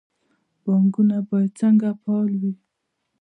بانکونه باید څنګه فعال وي؟